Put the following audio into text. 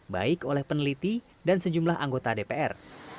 baik oleh peneliti dan sejumlah anggota dpr